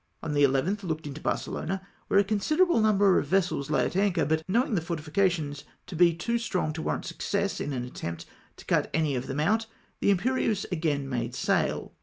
On the 11th looked into Barcelona, where a conside rable number of vessels lay at anchor, but knowing the fortifications to be too strong to warrant success in an attempt to cut any of them out, the Imperieuse again made sail.